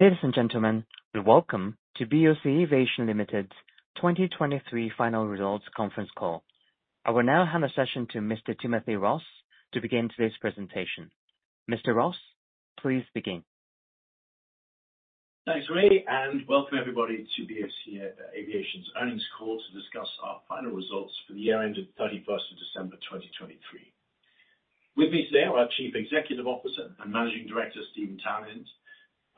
Ladies and gentlemen, welcome to BOC Aviation Limited's 2023 final results conference call. I will now hand the session to Mr. Timothy Ross to begin today's presentation. Mr. Ross, please begin. Thanks, Ray, and welcome everybody to BOC Aviation's earnings call to discuss our final results for the year ended 31st of December, 2023. With me today are our Chief Executive Officer and Managing Director, Steven Townend,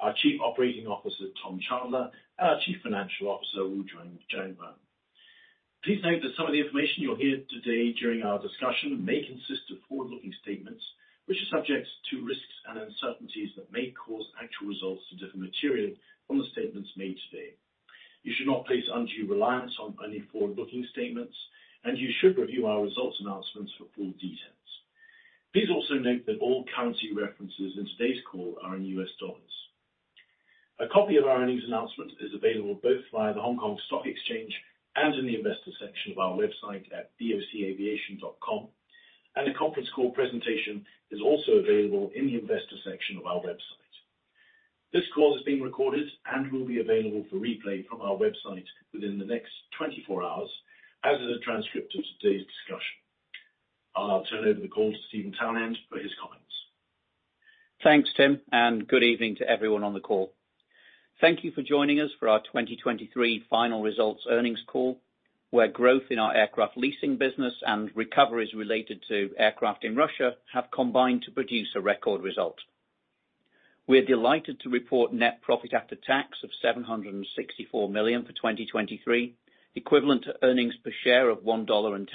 our Chief Operating Officer, Tom Chandler, and our Chief Financial Officer, Wu Jianguang. Please note that some of the information you'll hear today during our discussion may consist of forward-looking statements, which are subject to risks and uncertainties that may cause actual results to differ materially from the statements made today. You should not place undue reliance on any forward-looking statements, and you should review our results announcements for full details. Please also note that all currency references in today's call are in US dollars. A copy of our earnings announcement is available both via the Hong Kong Stock Exchange and in the investor section of our website at bocaviation.com, and a conference call presentation is also available in the investor section of our website. This call is being recorded and will be available for replay from our website within the next 24 hours, as is a transcript of today's discussion. I'll turn over the call to Steven Townend for his comments. Thanks, Tim, and good evening to everyone on the call. Thank you for joining us for our 2023 final results earnings call, where growth in our aircraft leasing business and recoveries related to aircraft in Russia have combined to produce a record result. We're delighted to report net profit after tax of $764 million for 2023, equivalent to earnings per share of $1.10.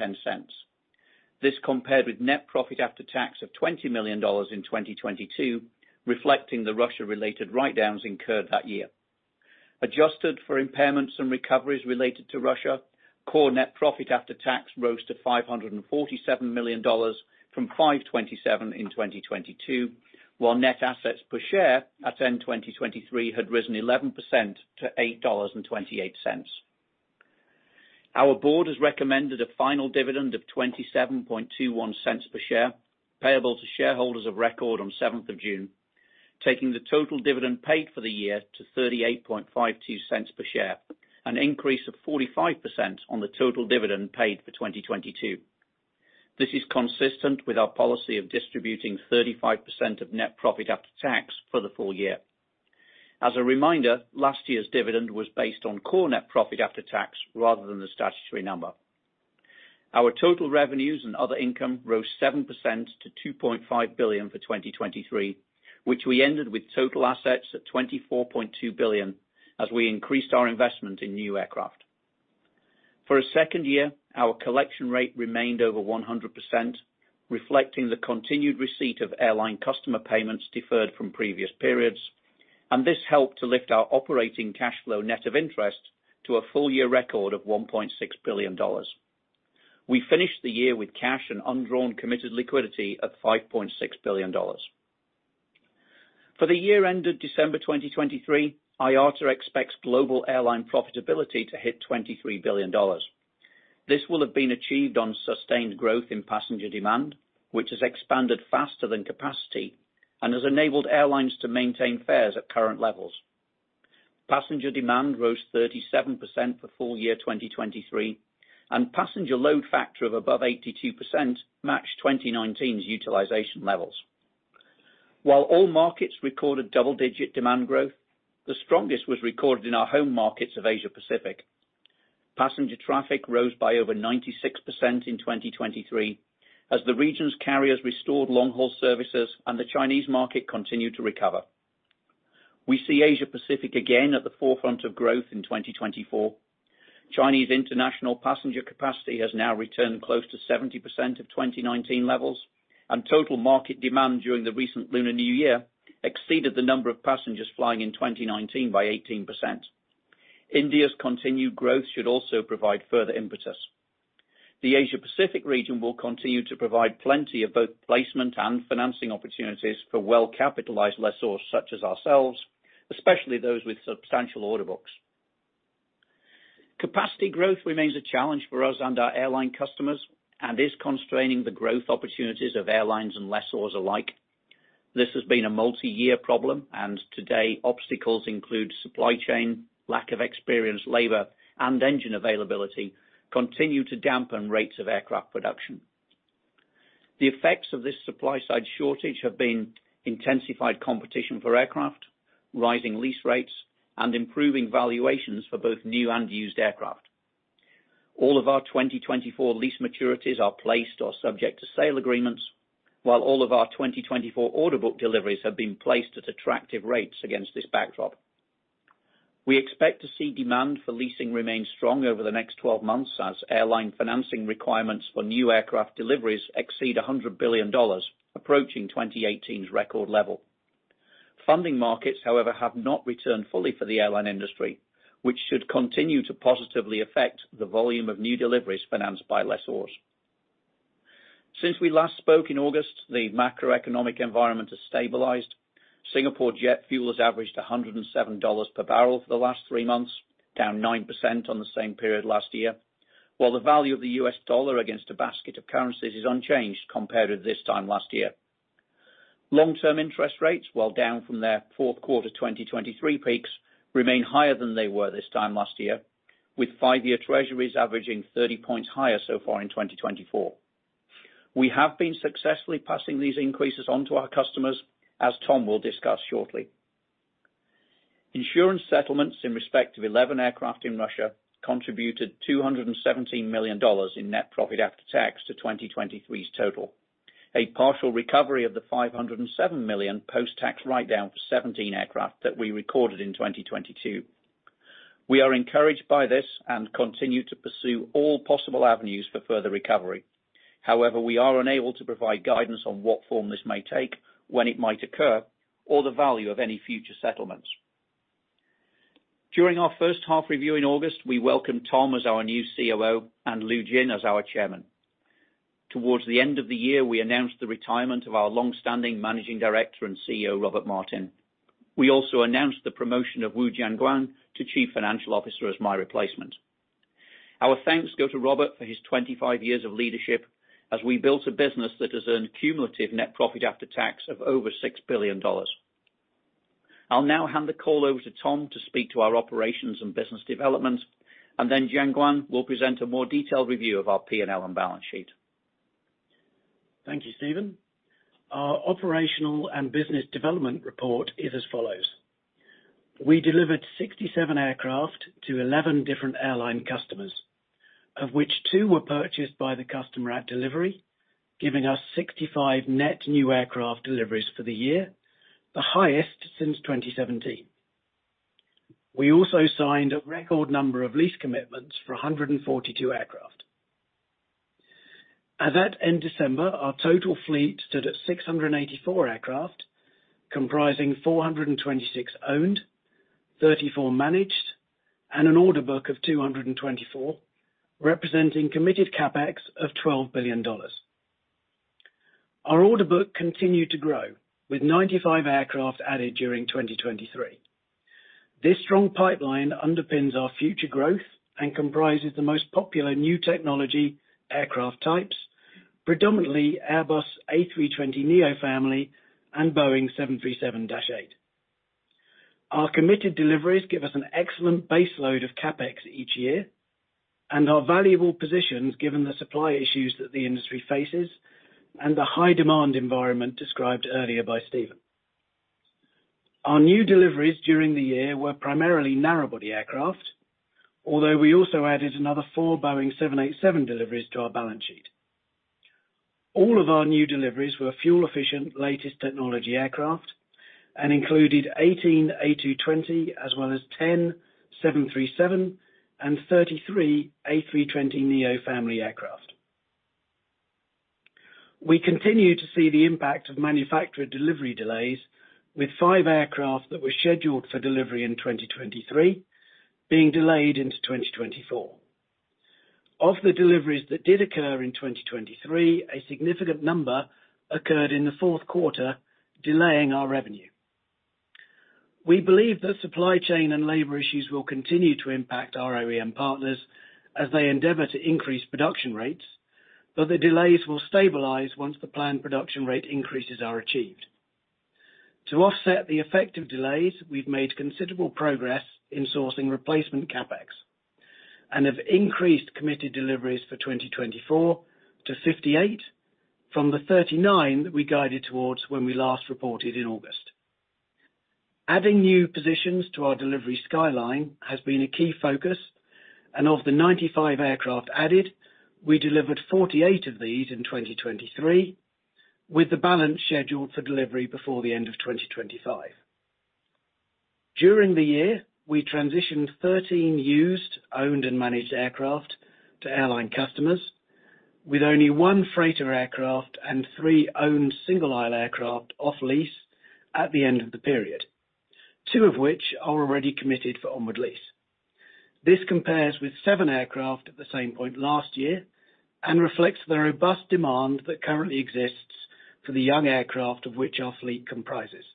This compared with net profit after tax of $20 million in 2022, reflecting the Russia-related write-downs incurred that year. Adjusted for impairments and recoveries related to Russia, core net profit after tax rose to $547 million from $527 million in 2022, while net assets per share at end 2023 had risen 11% to $8.28. Our board has recommended a final dividend of $0.2721 per share, payable to shareholders of record on the 7th of June, taking the total dividend paid for the year to $0.3852 per share, an increase of 45% on the total dividend paid for 2022. This is consistent with our policy of distributing 35% of net profit after tax for the full year. As a reminder, last year's dividend was based on core net profit after tax rather than the statutory number. Our total revenues and other income rose 7% to $2.5 billion for 2023, which we ended with total assets at $24.2 billion as we increased our investment in new aircraft. For a second year, our collection rate remained over 100%, reflecting the continued receipt of airline customer payments deferred from previous periods, and this helped to lift our operating cash flow net of interest to a full year record of $1.6 billion. We finished the year with cash and undrawn committed liquidity of $5.6 billion. For the year ended December 2023, IATA expects global airline profitability to hit $23 billion. This will have been achieved on sustained growth in passenger demand, which has expanded faster than capacity and has enabled airlines to maintain fares at current levels. Passenger demand rose 37% for full year 2023, and passenger load factor of above 82% matched 2019's utilization levels. While all markets recorded double-digit demand growth, the strongest was recorded in our home markets of Asia Pacific. Passenger traffic rose by over 96% in 2023, as the region's carriers restored long-haul services and the Chinese market continued to recover. We see Asia Pacific again at the forefront of growth in 2024. Chinese international passenger capacity has now returned close to 70% of 2019 levels, and total market demand during the recent Lunar New Year exceeded the number of passengers flying in 2019 by 18%. India's continued growth should also provide further impetus. The Asia Pacific region will continue to provide plenty of both placement and financing opportunities for well-capitalized lessors such as ourselves, especially those with substantial order books. Capacity growth remains a challenge for us and our airline customers and is constraining the growth opportunities of airlines and lessors alike. This has been a multi-year problem, and today, obstacles include supply chain, lack of experienced labor, and engine availability continue to dampen rates of aircraft production. The effects of this supply-side shortage have been intensified competition for aircraft, rising lease rates, and improving valuations for both new and used aircraft. All of our 2024 lease maturities are placed or subject to sale agreements, while all of our 2024 order book deliveries have been placed at attractive rates against this backdrop. We expect to see demand for leasing remain strong over the next 12 months as airline financing requirements for new aircraft deliveries exceed $100 billion, approaching 2018's record level. Funding markets, however, have not returned fully for the airline industry, which should continue to positively affect the volume of new deliveries financed by lessors. Since we last spoke in August, the macroeconomic environment has stabilized. Singapore jet fuel has averaged $107 per barrel for the last three months, down 9% on the same period last year. While the value of the US dollar against a basket of currencies is unchanged compared to this time last year. Long-term interest rates, while down from their fourth quarter 2023 peaks, remain higher than they were this time last year, with five-year treasuries averaging 30 points higher so far in 2024. We have been successfully passing these increases on to our customers, as Tom will discuss shortly. Insurance settlements in respect of 11 aircraft in Russia contributed $217 million in net profit after tax to 2023's total, a partial recovery of the $507 million post-tax write-down for 17 aircraft that we recorded in 2022. We are encouraged by this and continue to pursue all possible avenues for further recovery. However, we are unable to provide guidance on what form this may take, when it might occur, or the value of any future settlements. During our first half review in August, we welcomed Tom as our new COO and Liu Jin as our Chairman. Towards the end of the year, we announced the retirement of our long-standing Managing Director and CEO, Robert Martin. We also announced the promotion of Wu Jianguang to Chief Financial Officer as my replacement. Our thanks go to Robert for his 25 years of leadership as we built a business that has earned cumulative net profit after tax of over $6 billion. I'll now hand the call over to Tom to speak to our operations and business development, and then Jianguang will present a more detailed review of our P&L and balance sheet. Thank you, Steven. Our operational and business development report is as follows: We delivered 67 aircraft to 11 different airline customers, of which two were purchased by the customer at delivery, giving us 65 net new aircraft deliveries for the year, the highest since 2017. We also signed a record number of lease commitments for 142 aircraft. As at end December, our total fleet stood at 684 aircraft, comprising 426 owned, 34 managed, and an order book of 224, representing committed CapEx of $12 billion. Our order book continued to grow with 95 aircraft added during 2023. This strong pipeline underpins our future growth and comprises the most popular new technology aircraft types, predominantly Airbus A320neo family and Boeing 737-8. Our committed deliveries give us an excellent baseload of CapEx each year, and are valuable positions given the supply issues that the industry faces and the high demand environment described earlier by Steven. Our new deliveries during the year were primarily narrow-body aircraft, although we also added another four Boeing 787 deliveries to our balance sheet. All of our new deliveries were fuel-efficient, latest technology aircraft and included 18 A220, as well as 10 737 and 33 A320neo family aircraft. We continue to see the impact of manufacturer delivery delays, with five aircraft that were scheduled for delivery in 2023 being delayed into 2024. Of the deliveries that did occur in 2023, a significant number occurred in the fourth quarter, delaying our revenue. We believe that supply chain and labor issues will continue to impact our OEM partners as they endeavor to increase production rates, but the delays will stabilize once the planned production rate increases are achieved. To offset the effect of delays, we've made considerable progress in sourcing replacement CapEx, and have increased committed deliveries for 2024 to 58, from the 39 that we guided towards when we last reported in August. Adding new positions to our delivery skyline has been a key focus, and of the 95 aircraft added, we delivered 48 of these in 2023, with the balance scheduled for delivery before the end of 2025. During the year, we transitioned 13 used, owned, and managed aircraft to airline customers, with only one freighter aircraft and three owned single-aisle aircraft off lease at the end of the period, two of which are already committed for onward lease. This compares with seven aircraft at the same point last year and reflects the robust demand that currently exists for the young aircraft of which our fleet comprises.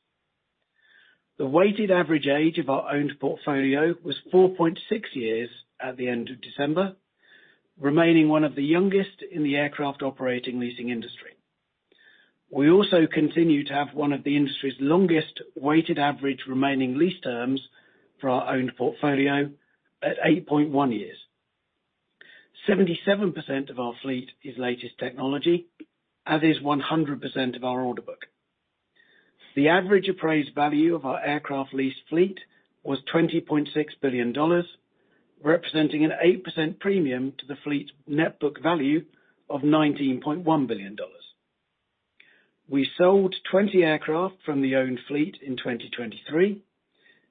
The weighted average age of our owned portfolio was 4.6 years at the end of December, remaining one of the youngest in the aircraft operating leasing industry. We also continue to have one of the industry's longest weighted average remaining lease terms for our owned portfolio at 8.1 years. 77% of our fleet is latest technology, as is 100% of our order book. The average appraised value of our aircraft lease fleet was $20.6 billion, representing an 8% premium to the fleet's net book value of $19.1 billion. We sold 20 aircraft from the owned fleet in 2023,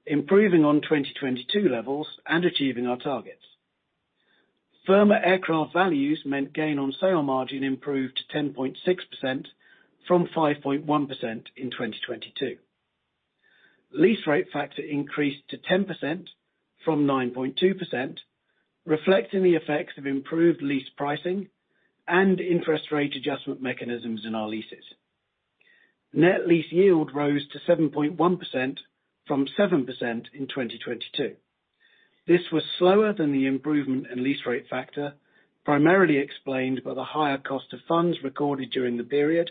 improving on 2022 levels and achieving our targets. Firmer aircraft values meant gain on sale margin improved to 10.6% from 5.1% in 2022. Lease rate factor increased to 10% from 9.2%, reflecting the effects of improved lease pricing and interest rate adjustment mechanisms in our leases. Net lease yield rose to 7.1% from 7% in 2022. This was slower than the improvement in lease rate factor, primarily explained by the higher cost of funds recorded during the period,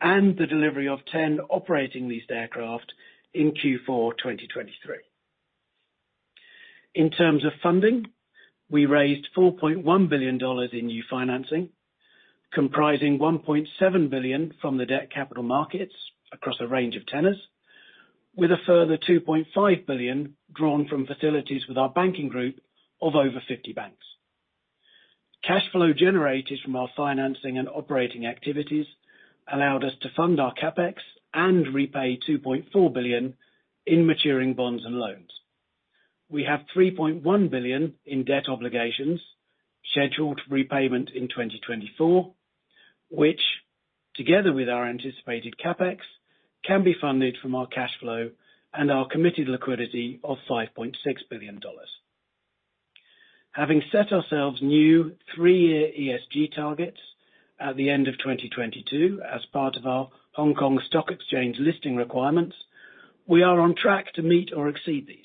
and the delivery of 10 operating leased aircraft in Q4 2023. In terms of funding, we raised $4.1 billion in new financing, comprising $1.7 billion from the debt capital markets across a range of tenants, with a further $2.5 billion drawn from facilities with our banking group of over 50 banks. Cash flow generated from our financing and operating activities allowed us to fund our CapEx and repay $2.4 billion in maturing bonds and loans. We have $3.1 billion in debt obligations scheduled repayment in 2024, which together with our anticipated CapEx, can be funded from our cash flow and our committed liquidity of $5.6 billion. Having set ourselves new three-year ESG targets at the end of 2022 as part of our Hong Kong Stock Exchange listing requirements, we are on track to meet or exceed these.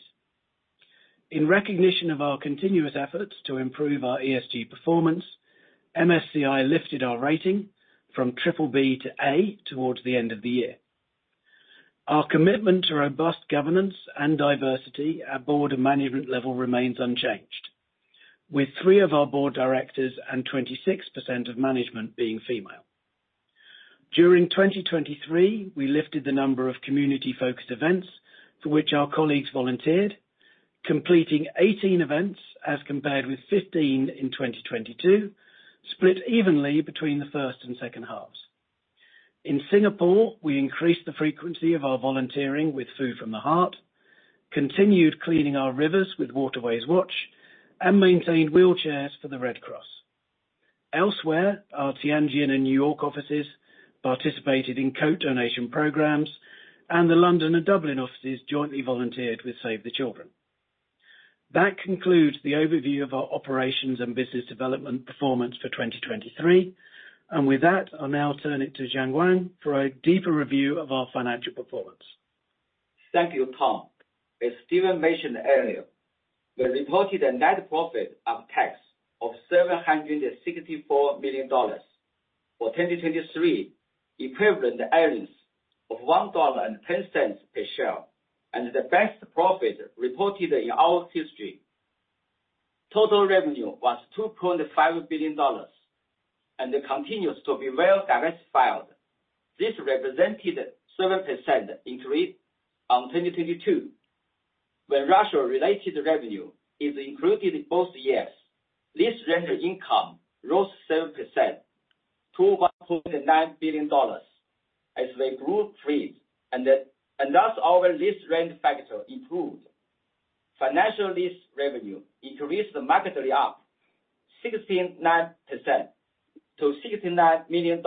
In recognition of our continuous efforts to improve our ESG performance, MSCI lifted our rating from BBB to A towards the end of the year. Our commitment to robust governance and diversity at board and management level remains unchanged, with three of our board directors and 26% of management being female. During 2023, we lifted the number of community-focused events to which our colleagues volunteered, completing 18 events as compared with 15 in 2022, split evenly between the first and second halves. In Singapore, we increased the frequency of our volunteering with Food from the Heart, continued cleaning our rivers with Waterways Watch, and maintained wheelchairs for the Red Cross. Elsewhere, our Tianjin and New York offices participated in coat donation programs, and the London and Dublin offices jointly volunteered with Save the Children. That concludes the overview of our operations and business development performance for 2023, and with that, I'll now turn it to Jianguang Wu for a deeper review of our financial performance. Thank you, Tom. As Steven mentioned earlier, we reported a net profit after tax of $764 million for 2023, equivalent earnings of $1.10 per share, and the best profit reported in our history. Total revenue was $2.5 billion and continues to be well diversified. This represented 7% increase on 2022, where Russia-related revenue is included in both years. Lease rental income rose 7% to $1.9 billion as they grew fees and thus our lease rate factor improved. Finance lease revenue increased markedly up 69% to $69 million,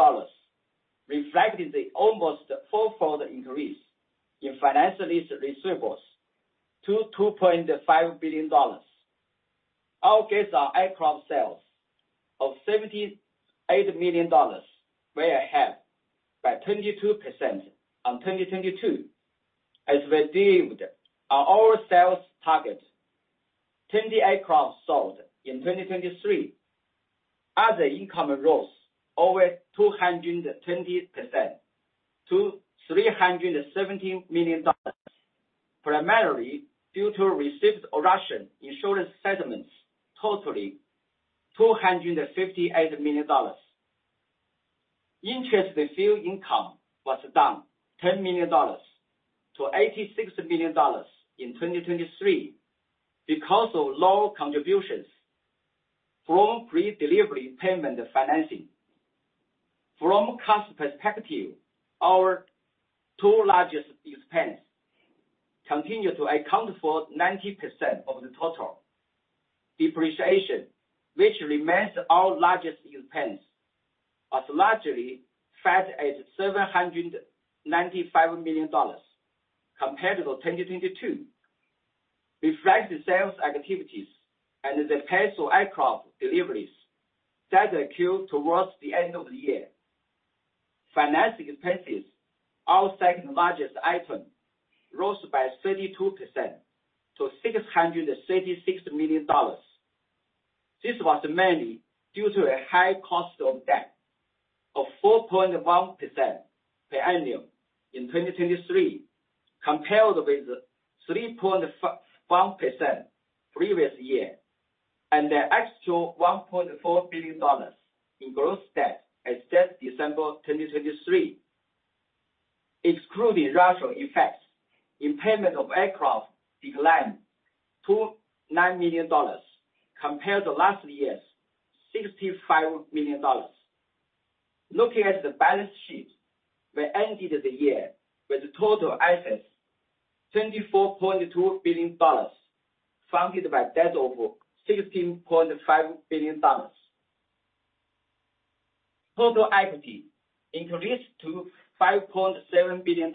reflecting the almost fourfold increase in finance lease receivables to $2.5 billion. Our gains on aircraft sales of $78 million were ahead by 22% on 2022, as we beat our sales target. 20 aircraft sold in 2023. Other income rose over 220% to $317 million, primarily due to received Russian insurance settlements totaling $258 million. Interest and fee income was down $10 million to $86 million in 2023 because of lower contributions from pre-delivery payment financing. From cost perspective, our two largest expense continue to account for 90% of the total depreciation, which remains our largest expense, was largely flat at $795 million compared to 2022. Reflect the sales activities and the pace of aircraft deliveries that occurred towards the end of the year. Financing expenses, our second-largest item, rose by 32% to $636 million. This was mainly due to a high cost of debt of 4.1% per annum in 2023, compared with 3.1% previous year, and an extra $1.4 billion in gross debt as at December 2023. Excluding Russia effects, impairment of aircraft declined to $9 million, compared to last year's $65 million. Looking at the balance sheet, we ended the year with total assets $24.2 billion, funded by debt of $16.5 billion. Total equity increased to $5.7 billion,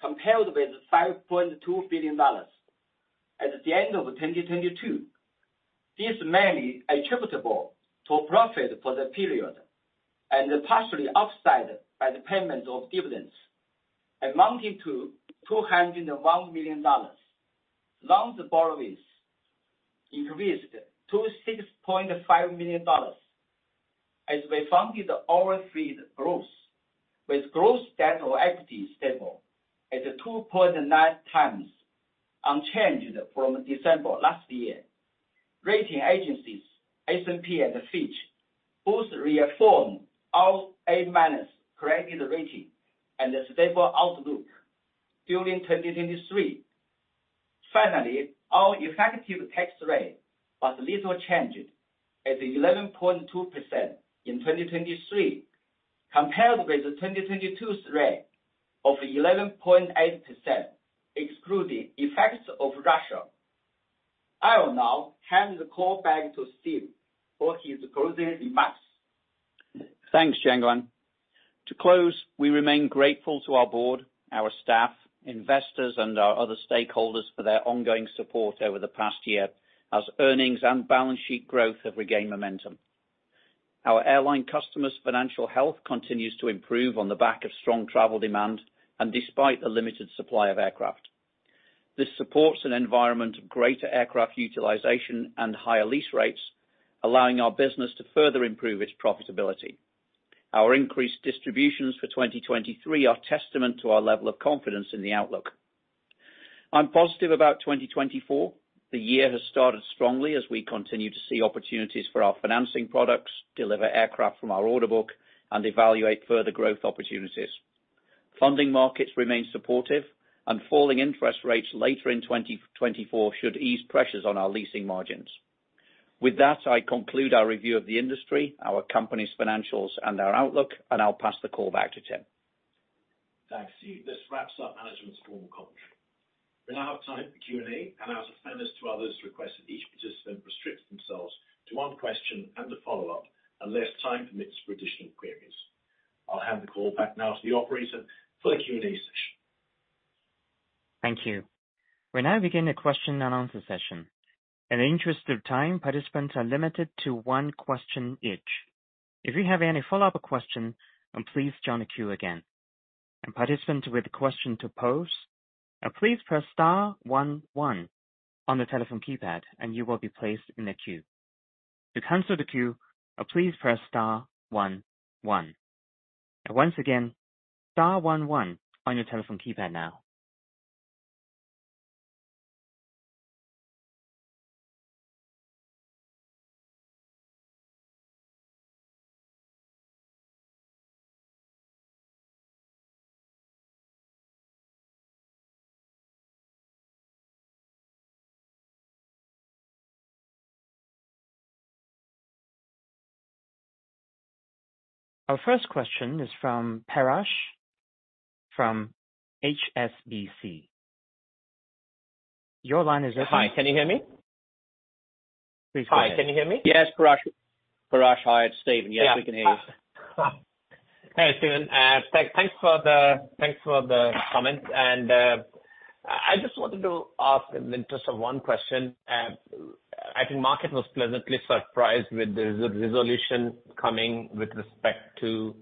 compared with $5.2 billion at the end of 2022. This is mainly attributable to a profit for the period, and partially offset by the payment of dividends amounting to $201 million. Loans and borrowings increased to $6.5 million, as we funded our fleet growth, with gross debt to equity stable at 2.9x, unchanged from December last year. Rating agencies, S&P and Fitch, both reaffirmed our A- credit rating and a stable outlook during 2023. Finally, our effective tax rate was little changed at 11.2% in 2023, compared with the 2022's rate of 11.8%, excluding effects of Russia. I will now hand the call back to Steve for his closing remarks. Thanks, Jianguang. To close, we remain grateful to our board, our staff, investors, and our other stakeholders for their ongoing support over the past year, as earnings and balance sheet growth have regained momentum. Our airline customers' financial health continues to improve on the back of strong travel demand and despite a limited supply of aircraft. This supports an environment of greater aircraft utilization and higher lease rates, allowing our business to further improve its profitability. Our increased distributions for 2023 are testament to our level of confidence in the outlook. I'm positive about 2024. The year has started strongly as we continue to see opportunities for our financing products, deliver aircraft from our order book, and evaluate further growth opportunities. Funding markets remain supportive, and falling interest rates later in 2024 should ease pressures on our leasing margins. With that, I conclude our review of the industry, our company's financials, and our outlook, and I'll pass the call back to Tim. Thanks, Steve. This wraps up management's formal conference. We now have time for Q&A, and as a fairness to others, request that each participant restricts themselves to one question and a follow-up, unless time permits for additional queries. I'll hand the call back now to the operator for the Q&A session. Thank you. We now begin the question and answer session. In the interest of time, participants are limited to one question each. If you have any follow-up question, please join the queue again. And participants with a question to pose, please press star one one on the telephone keypad, and you will be placed in a queue. To cancel the queue, please press star one one. Once again, star one one on your telephone keypad now. Our first question is from Parash, from HSBC. Your line is open. Hi, can you hear me? Please go ahead. Hi, can you hear me? Yes, Parash. Parash, hi, it's Steven. Yeah. Yes, we can hear you. Hey, Steven. Thanks for the comments. I just wanted to ask in the interest of one question. I think market was pleasantly surprised with the resolution coming with respect to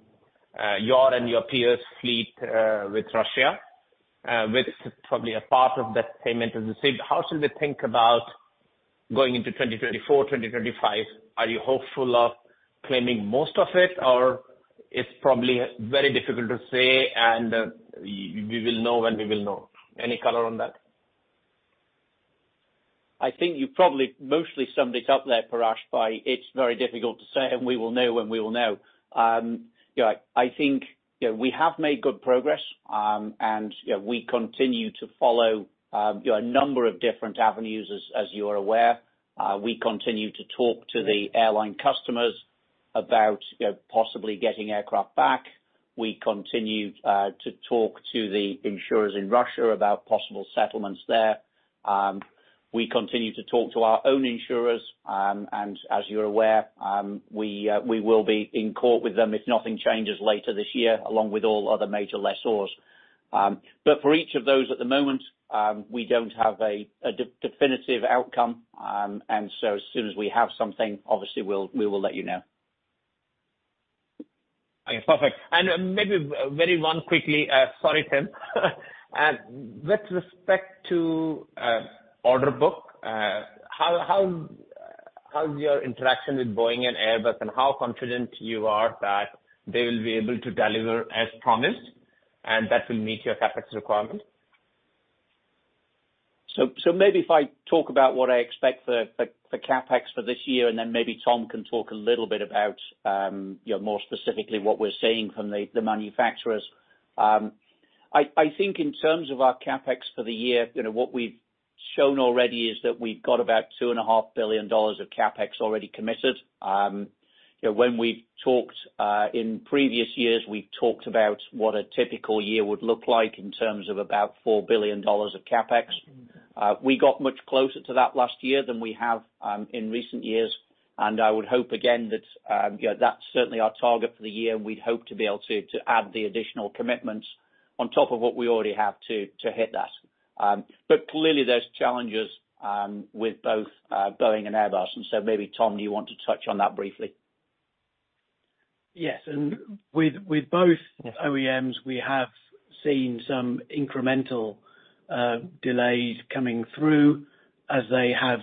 your and your peers' fleet with Russia with probably a part of that payment as the same. How should we think about going into 2034, 2035? Are you hopeful of claiming most of it, or it's probably very difficult to say, and we will know when we will know? Any color on that? I think you probably mostly summed it up there, Parash, by it's very difficult to say, and we will know when we will know. You know, I think, you know, we have made good progress, and, you know, we continue to follow, you know, a number of different avenues as you are aware. We continue to talk to the airline customers about, you know, possibly getting aircraft back. We continue to talk to the insurers in Russia about possible settlements there. We continue to talk to our own insurers, and as you're aware, we will be in court with them if nothing changes later this year, along with all other major lessors. But for each of those at the moment, we don't have a definitive outcome. And so as soon as we have something, obviously we'll, we will let you know. Okay, perfect. And maybe one very quickly, sorry, Tim. With respect to order book, how is your interaction with Boeing and Airbus, and how confident you are that they will be able to deliver as promised, and that will meet your CapEx requirements? So maybe if I talk about what I expect for CapEx for this year, and then maybe Tom can talk a little bit about, you know, more specifically what we're seeing from the manufacturers. I think in terms of our CapEx for the year, you know, what we've shown already is that we've got about $2.5 billion of CapEx already committed. You know, when we talked in previous years, we talked about what a typical year would look like in terms of about $4 billion of CapEx. We got much closer to that last year than we have in recent years, and I would hope again that, you know, that's certainly our target for the year. We'd hope to be able to add the additional commitments-... On top of what we already have to to hit that. But clearly, there's challenges with both Boeing and Airbus, and so maybe, Tom, do you want to touch on that briefly? Yes, and with both OEMs, we have seen some incremental delays coming through as they have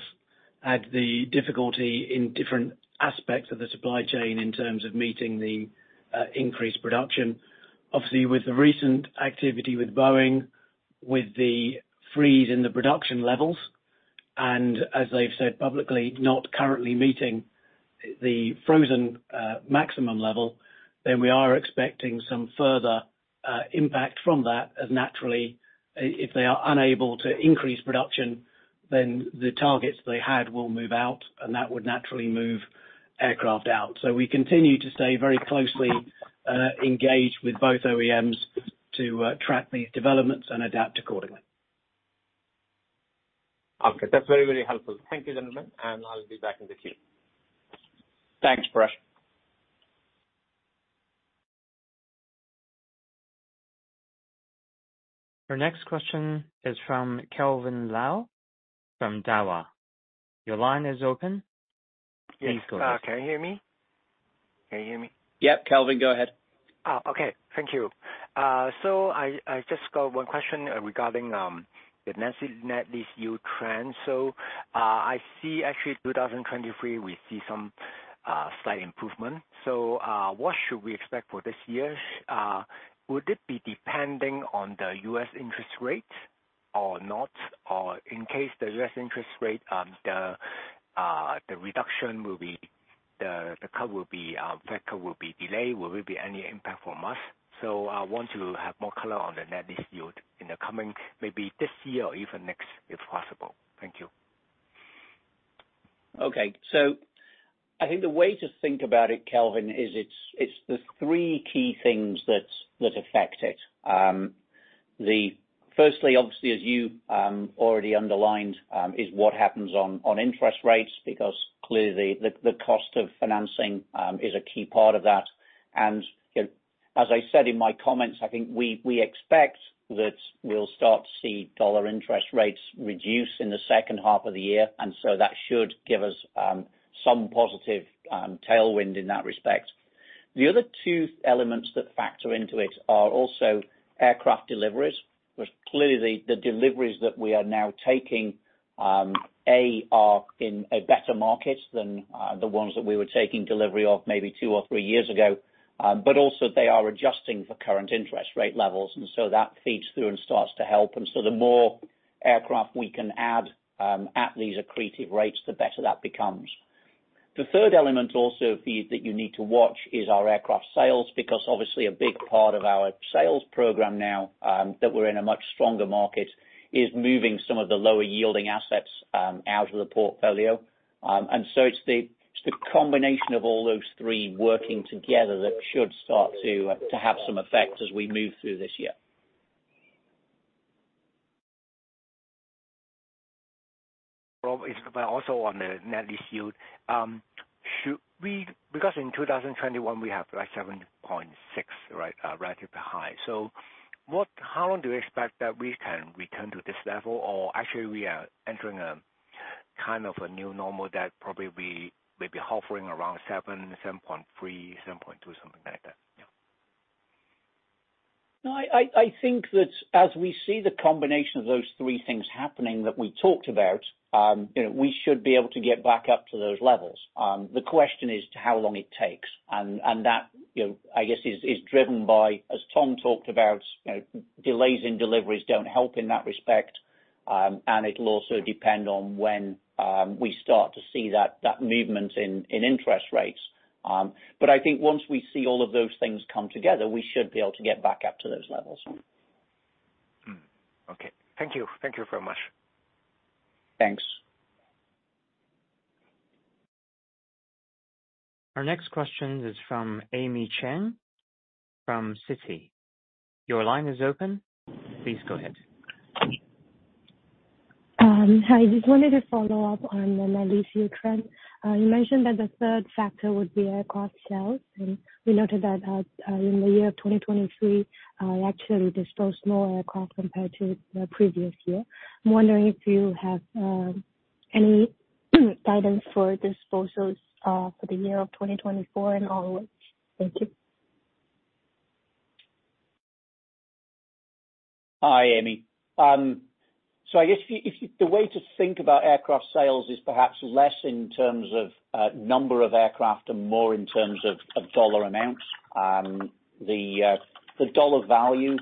had the difficulty in different aspects of the supply chain in terms of meeting the increased production. Obviously, with the recent activity with Boeing, with the freeze in the production levels, and as they've said publicly, not currently meeting the frozen maximum level, then we are expecting some further impact from that. As naturally, if they are unable to increase production, then the targets they had will move out, and that would naturally move aircraft out. So we continue to stay very closely engaged with both OEMs to track these developments and adapt accordingly. Okay, that's very, very helpful. Thank you, gentlemen, and I'll be back in the queue. Thanks, Parash. Our next question is from Kelvin Lau from Daiwa. Your line is open. Please go ahead. Yes. Can you hear me? Can you hear me? Yep, Kelvin, go ahead. Okay. Thank you. So I just got one question regarding the net lease yield trend. So I see actually 2023, we see some slight improvement. So what should we expect for this year? Would it be depending on the U.S. interest rate or not? Or in case the U.S. interest rate, the reduction will be, the cut will be factor will be delayed, will there be any impact from us? So I want to have more color on the net lease yield in the coming, maybe this year or even next, if possible. Thank you. Okay. So I think the way to think about it, Kelvin, is it's the three key things that affect it. Firstly, obviously, as you already underlined, is what happens on interest rates, because clearly the cost of financing is a key part of that. And, you know, as I said in my comments, I think we expect that we'll start to see dollar interest rates reduce in the second half of the year, and so that should give us some positive tailwind in that respect. The other two elements that factor into it are also aircraft deliveries. But clearly, the deliveries that we are now taking are in a better market than the ones that we were taking delivery of maybe two or three years ago. But also they are adjusting for current interest rate levels, and so that feeds through and starts to help. And so the more aircraft we can add, at these accretive rates, the better that becomes. The third element also for you, that you need to watch, is our aircraft sales, because obviously a big part of our sales program now, that we're in a much stronger market, is moving some of the lower yielding assets, out of the portfolio. And so it's the, it's the combination of all those three working together that should start to, to have some effect as we move through this year. Rob, it's. But also on the net lease yield, should we? Because in 2021, we have like 7.6, right? Relatively high. So, what? How long do you expect that we can return to this level? Or actually, we are entering a kind of a new normal that probably may be hovering around seven, 7.3, 7.2, something like that? Yeah. No, I think that as we see the combination of those three things happening that we talked about, you know, we should be able to get back up to those levels. The question is to how long it takes, and that, you know, I guess is driven by, as Tom talked about, you know, delays in deliveries don't help in that respect. And it'll also depend on when we start to see that movement in interest rates. But I think once we see all of those things come together, we should be able to get back up to those levels. Hmm. Okay. Thank you. Thank you very much. Thanks. Our next question is from Amy Chen, from Citi. Your line is open. Please go ahead. Hi, I just wanted to follow up on the net lease yield trend. You mentioned that the third factor would be aircraft sales, and we noted that, in the year of 2023, actually disposed more aircraft compared to the previous year. I'm wondering if you have, any guidance for disposals, for the year of 2024 and onwards. Thank you. Hi, Amy. So I guess if you-- The way to think about aircraft sales is perhaps less in terms of number of aircraft and more in terms of dollar amounts. The dollar value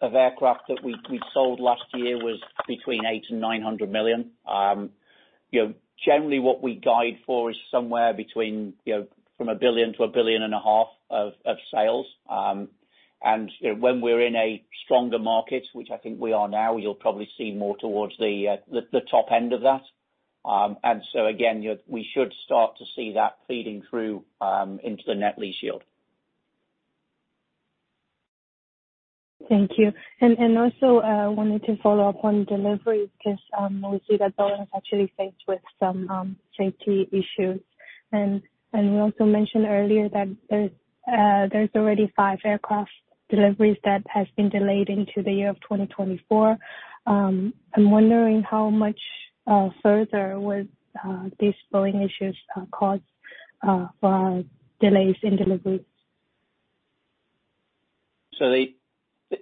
of aircraft that we sold last year was between $800 million and $900 million. You know, generally what we guide for is somewhere between, you know, from $1 billion-$1.5 billion of sales. And, you know, when we're in a stronger market, which I think we are now, you'll probably see more towards the top end of that. And so again, you know, we should start to see that feeding through into the net lease yield. Thank you. And also wanted to follow up on delivery, because we see that Boeing is actually faced with some safety issues. And you also mentioned earlier that there's already five aircraft deliveries that have been delayed into the year of 2024. I'm wondering how much further would these Boeing issues cause delays in delivery? So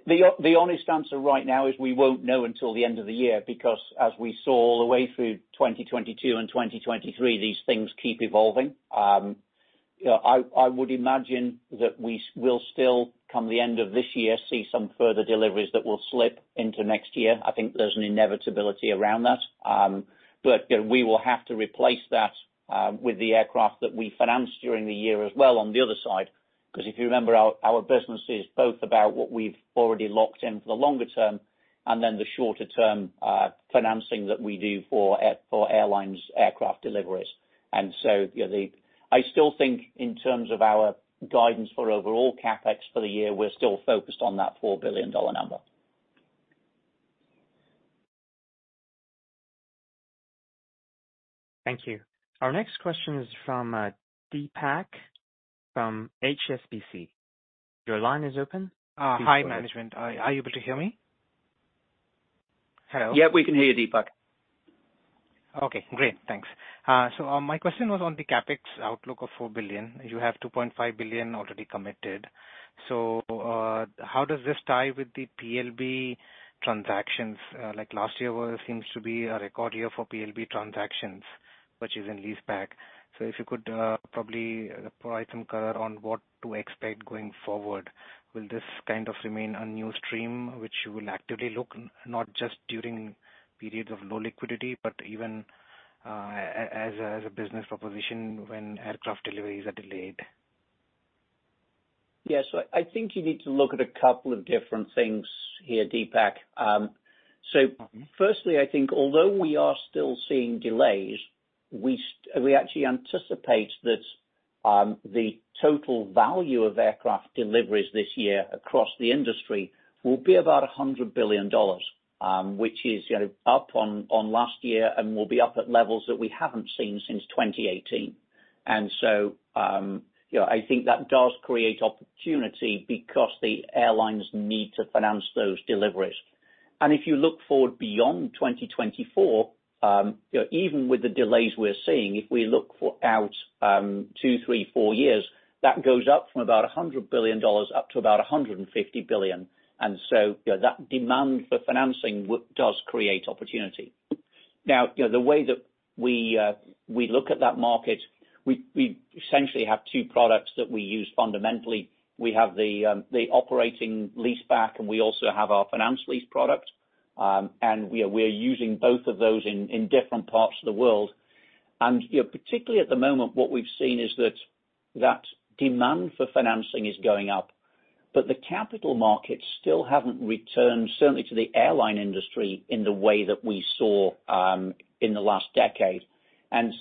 the honest answer right now is we won't know until the end of the year, because as we saw all the way through 2022 and 2023, these things keep evolving. You know, I would imagine that we will still, come the end of this year, see some further deliveries that will slip into next year. I think there's an inevitability around that. But you know, we will have to replace that with the aircraft that we financed during the year as well on the other side. 'Cause if you remember, our business is both about what we've already locked in for the longer term, and then the shorter term financing that we do for airlines aircraft deliveries. And so, you know, I still think in terms of our guidance for overall CapEx for the year, we're still focused on that $4 billion number. Thank you. Our next question is from Deepak from HSBC. Your line is open. Hi, management. Are you able to hear me? Hello? Yeah, we can hear you, Deepak. Okay, great, thanks. So, my question was on the CapEx outlook of $4 billion. You have $2.5 billion already committed. So, how does this tie with the PLB transactions? Like last year was, seems to be a record year for PLB transactions, which is in leaseback. So if you could, probably provide some color on what to expect going forward. Will this kind of remain a new stream, which you will actively look not just during periods of low liquidity, but even, as a, as a business proposition when aircraft deliveries are delayed? Yeah, so I think you need to look at a couple of different things here, Deepak. So firstly, I think although we are still seeing delays, we actually anticipate that, the total value of aircraft deliveries this year across the industry will be about $100 billion, which is, you know, up on, on last year and will be up at levels that we haven't seen since 2018. And so, you know, I think that does create opportunity because the airlines need to finance those deliveries. And if you look forward beyond 2024, you know, even with the delays we're seeing, if we look forward two, three, four years, that goes up from about $100 billion, up to about $150 billion. And so, you know, that demand for financing does create opportunity. Now, you know, the way that we look at that market, we essentially have two products that we use. Fundamentally, we have the operating leaseback, and we also have our finance lease product. We are using both of those in different parts of the world. You know, particularly at the moment, what we've seen is that demand for financing is going up, but the capital markets still haven't returned, certainly to the airline industry, in the way that we saw in the last decade.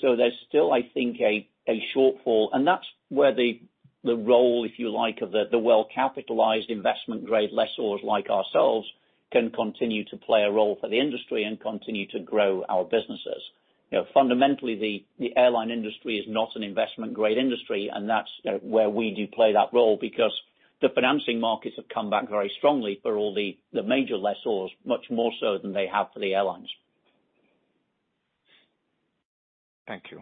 So there's still, I think, a shortfall, and that's where the role, if you like, of the well-capitalized investment grade lessors like ourselves, can continue to play a role for the industry and continue to grow our businesses. You know, fundamentally, the airline industry is not an investment-grade industry, and that's, you know, where we do play that role, because the financing markets have come back very strongly for all the major lessors, much more so than they have for the airlines. Thank you.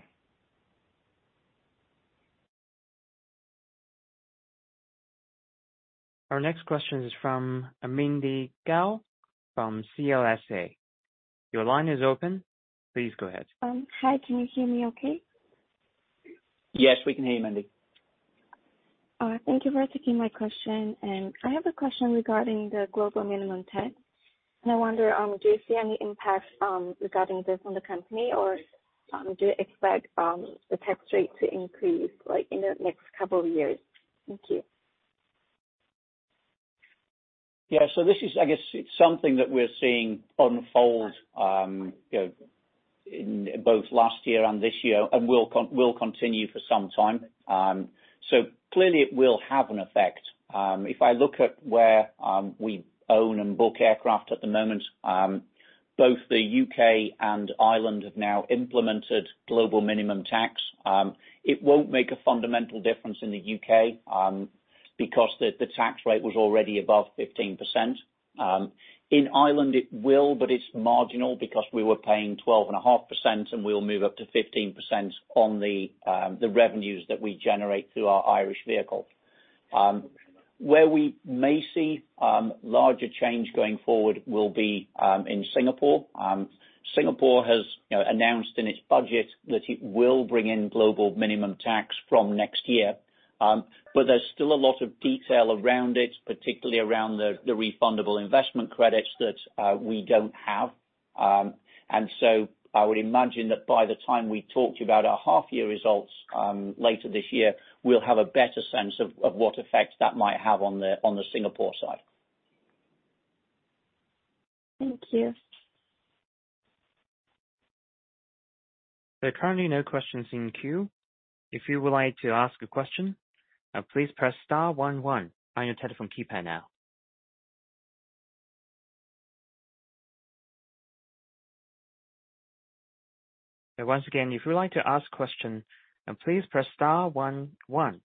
Our next question is from Mindy Gao from CLSA. Your line is open. Please go ahead. Hi, can you hear me okay? Yes, we can hear you, Mindy. Thank you for taking my question. I have a question regarding the Global Minimum Tax. I wonder, do you see any impact regarding this on the company? Or, do you expect the tax rate to increase, like, in the next couple of years? Thank you. Yeah. So this is, I guess, something that we're seeing unfold, you know, in both last year and this year, and will continue for some time. So clearly it will have an effect. If I look at where we own and book aircraft at the moment, both the U.K. and Ireland have now implemented Global Minimum Tax. It won't make a fundamental difference in the U.K., because the tax rate was already above 15%. In Ireland it will, but it's marginal because we were paying 12.5%, and we'll move up to 15% on the revenues that we generate through our Irish vehicle. Where we may see larger change going forward will be in Singapore. Singapore has, you know, announced in its budget that it will bring in Global Minimum Tax from next year. But there's still a lot of detail around it, particularly around the, the refundable investment credits that we don't have. And so I would imagine that by the time we talk about our half-year results, later this year, we'll have a better sense of, of what effect that might have on the, on the Singapore side. Thank you. There are currently no questions in queue. If you would like to ask a question, please press star one one on your telephone keypad now.... And once again, if you'd like to ask question, please press star one one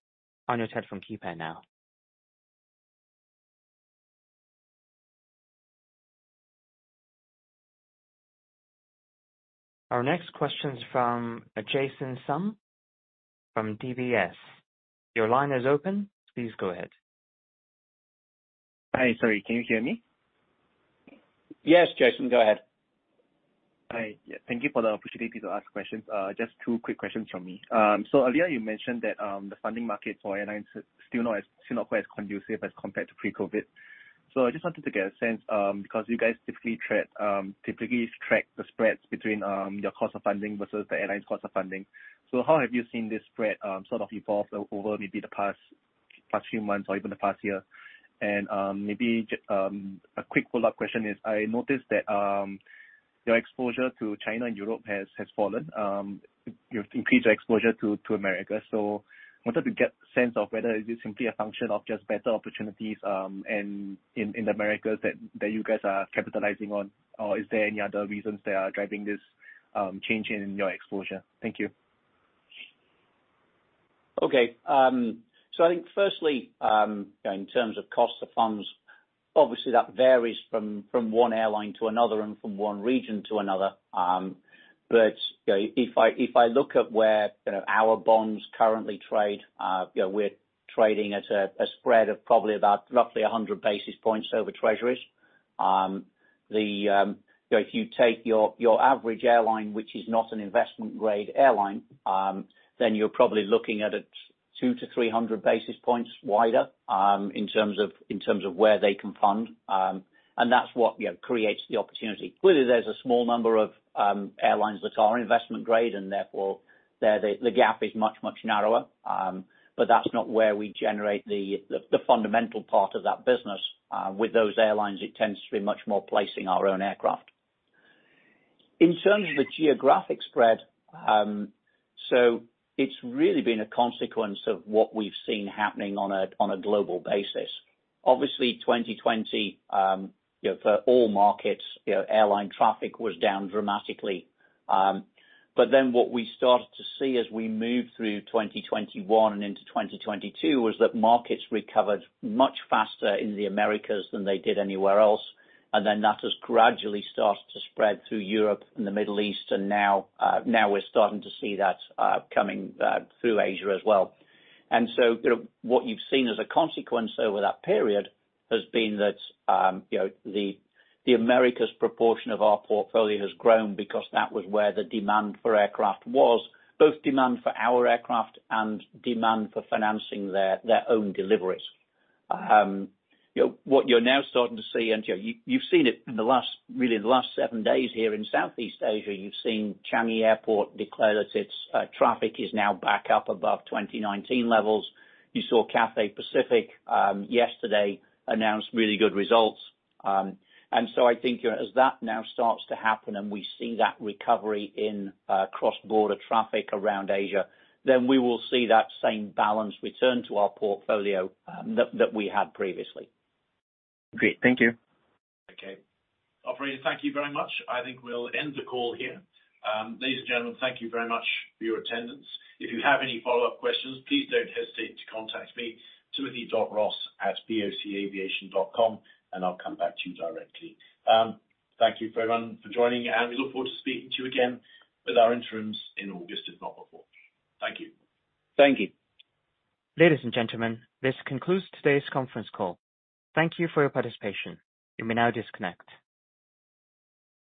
on your telephone keypad now. Our next question is from Jason Sum from DBS. Your line is open. Please go ahead. Hi. Sorry, can you hear me? Yes, Jason, go ahead. Hi, yeah. Thank you for the opportunity to ask questions. Just two quick questions from me. So earlier you mentioned that the funding market for airlines are still not quite as conducive as compared to pre-COVID. So I just wanted to get a sense, because you guys typically track the spreads between your cost of funding versus the airline's cost of funding. So how have you seen this spread sort of evolve over maybe the past few months or even the past year? And maybe a quick follow-up question is, I noticed that your exposure to China and Europe has fallen. You've increased your exposure to America. So wanted to get a sense of whether is this simply a function of just better opportunities, and in the Americas that you guys are capitalizing on, or is there any other reasons that are driving this, change in your exposure? Thank you. Okay. So I think firstly, you know, in terms of cost of funds, obviously that varies from one airline to another and from one region to another. But, you know, if I look at where, you know, our bonds currently trade, you know, we're trading at a spread of probably about roughly 100 basis points over Treasuries. You know, if you take your average airline, which is not an investment grade airline, then you're probably looking at it 200-300 basis points wider, in terms of where they can fund. And that's what, you know, creates the opportunity. Clearly, there's a small number of airlines that are investment grade, and therefore, the gap is much, much narrower. But that's not where we generate the fundamental part of that business. With those airlines, it tends to be much more placing our own aircraft. In terms of the geographic spread, so it's really been a consequence of what we've seen happening on a global basis. Obviously, 2020, you know, for all markets, you know, airline traffic was down dramatically. But then what we started to see as we moved through 2021 and into 2022, was that markets recovered much faster in the Americas than they did anywhere else, and then that has gradually started to spread through Europe and the Middle East. And now, we're starting to see that coming through Asia as well. And so, you know, what you've seen as a consequence over that period has been that, you know, the Americas proportion of our portfolio has grown because that was where the demand for aircraft was. Both demand for our aircraft and demand for financing their own deliveries. You know, what you're now starting to see, and, you know, you've seen it in the last, really, the last seven days here in Southeast Asia, you've seen Changi Airport declare that its traffic is now back up above 2019 levels. You saw Cathay Pacific yesterday announce really good results. And so I think, you know, as that now starts to happen, and we see that recovery in cross-border traffic around Asia, then we will see that same balance return to our portfolio, that we had previously. Great. Thank you. Okay. Operator, thank you very much. I think we'll end the call here. Ladies and gentlemen, thank you very much for your attendance. If you have any follow-up questions, please don't hesitate to contact me, timothy.ross@bocaviation.com, and I'll come back to you directly. Thank you for everyone for joining, and we look forward to speaking to you again with our interims in August, if not before. Thank you. Thank you. Ladies and gentlemen, this concludes today's conference call. Thank you for your participation. You may now disconnect.